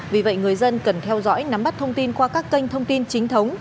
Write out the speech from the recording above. vì vậy người dân cần theo dõi nắm bắt thông tin qua các kênh thông tin chính thống